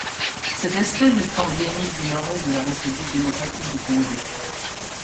Cette espèce est endémique du Nord-Est de la République démocratique du Congo.